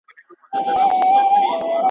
دی روان سو ځان یې موړ کړ په بازار کي ,